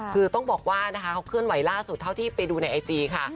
คือต้องบอกว่านะคะเขาเคลื่อนไหวล่าสุดเท่าที่ไปดูในไอจีค่ะ